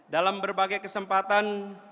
dalam berbagai kesempatan